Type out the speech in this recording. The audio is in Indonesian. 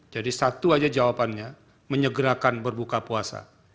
jadi satu saja jawabannya menyegerakan berbuka puasa